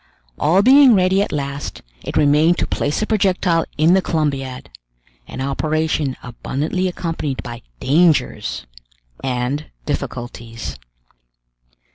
All being ready at last, it remained to place the projectile in the Columbiad, an operation abundantly accompanied by dangers and difficulties.